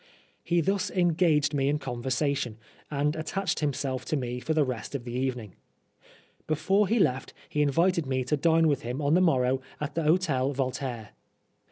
He thus engaged me in conversation, and attached himself to me for the rest of the evening. Before he left he invited me to dine with him on the morrow at the Hotel Voltaire.